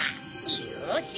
よし！